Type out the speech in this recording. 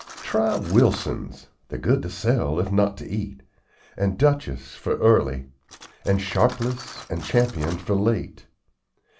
Try Wilson's (they're good to sell if not to eat) and Duchess for early, and Sharpless and Champion for late.